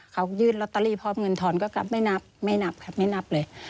เขายื่นลอตเตอรี่พร้อมเงินถอนก็กำไม่นับค่ะไม่นับเลย